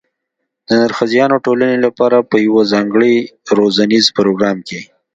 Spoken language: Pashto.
د نرښځیانو ټولنې لپاره په یوه ځانګړي روزنیز پروګرام کې